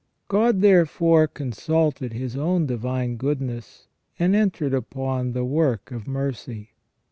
God therefore consulted his own divine goodness, and entered upon the work of mercy.